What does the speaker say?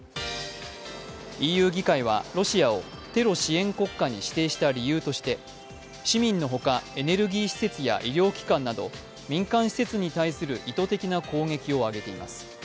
ＥＵ議会は、ロシアをテロ支援国家に指定した理由として市民のほか、エネルギー施設や医療機関など民間施設に対する意図的な攻撃を挙げています。